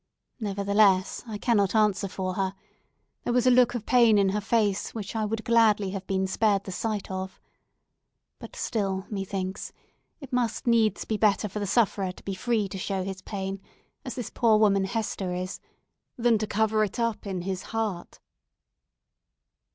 "Nevertheless, I cannot answer for her. There was a look of pain in her face which I would gladly have been spared the sight of. But still, methinks, it must needs be better for the sufferer to be free to show his pain, as this poor woman Hester is, than to cover it up in his heart."